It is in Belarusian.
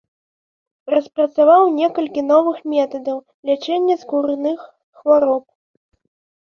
Распрацаваў некалькі новых метадаў лячэння скурных хвароб.